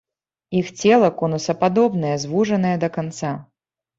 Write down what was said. Іх цела конусападобнае, звужанае да канца.